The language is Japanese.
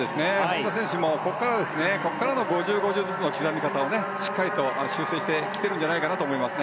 本多選手もここからの５０、５０ずつの刻み方をしっかりと修正してきていると思います。